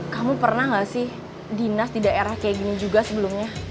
kamu pernah nggak sih dinas di daerah kayak gini juga sebelumnya